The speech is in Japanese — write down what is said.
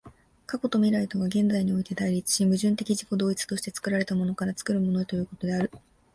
過去と未来とが現在において対立し、矛盾的自己同一として作られたものから作るものへということである。